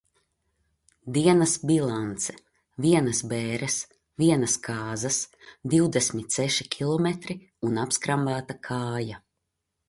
Dienas bilance: Vienas bēres, vienas kāzas, divdesmit seši kilometri un apskrambāta kāja.